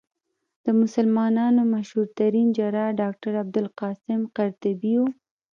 د مسلمانانو مشهورترين جراح ډاکټر ابوالقاسم قرطبي وو.